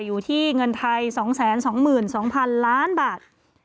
อยู่ที่เงินไทย๒๒๒๐๐๐ล้านบาท